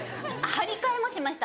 張り替えもしました。